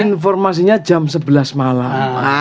informasinya jam sebelas malam